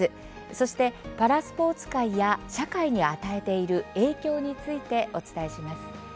そしてパラスポーツ界や社会に与えている影響についてお伝えします。